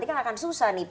nanti kan akan susah nih